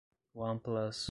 OnePlus